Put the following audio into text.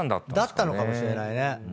だったのかもしれないね。